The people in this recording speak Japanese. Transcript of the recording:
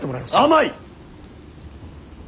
甘い！